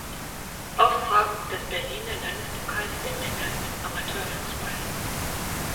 Austragung des Berliner Landespokals der Männer im Amateurfußball.